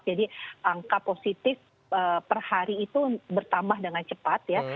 jadi angka positif per hari itu bertambah dengan cepat ya